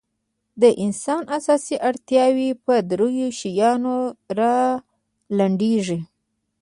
د انسان اساسي اړتیاوې په درېو شیانو رالنډېږي.